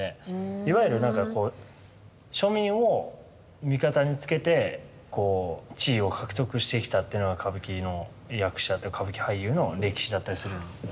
いわゆるなんかこう庶民を味方につけてこう地位を獲得してきたっていうのが歌舞伎の役者歌舞伎俳優の歴史だったりするんで。